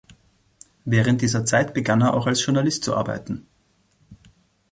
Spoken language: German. Während dieser Zeit begann er auch als Journalist zu arbeiten.